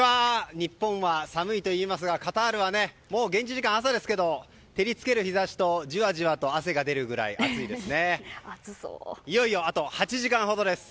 日本は寒いといいますがカタールはもう現地時間で朝ですが照りつける日差しでじわじわと汗が出るくらい熱いですね。